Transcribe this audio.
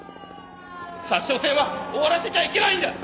札沼線は終わらせちゃいけないんだ！